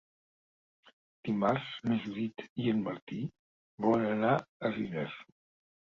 Dimarts na Judit i en Martí volen anar a Riner.